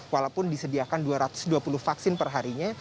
walaupun disediakan dua ratus dua puluh vaksin perharinya